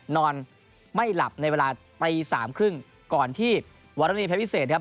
นอนไม่หลับในเวลาตีสามครึ่งก่อนที่วรรณีเพชรวิเศษครับ